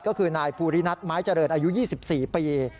ก็คือนายภูรินัทไม้เจริญอายุ๒๔ปี